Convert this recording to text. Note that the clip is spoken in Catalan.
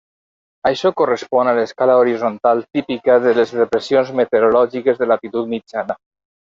Això correspon a l'escala horitzontal típica de les depressions meteorològiques de latitud mitjana.